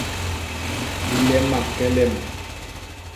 Lema kelem.